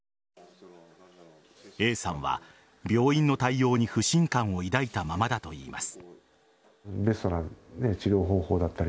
Ａさんは病院の対応に不信感を抱いたままだといいます。